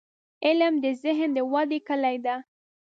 • علم، د ذهن د ودې کلي ده.